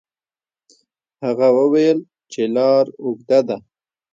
هغه وویل چې لار اوږده ده.